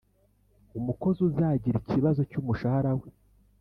umukozi uzagira ikibazo cyumushahara we.